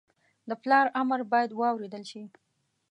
د پلار امر باید واورېدل شي